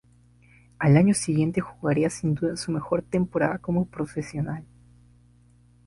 Al año siguiente jugaría sin duda su mejor temporada como profesional.